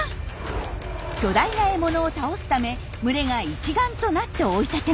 巨大な獲物を倒すため群れが一丸となって追い立てます。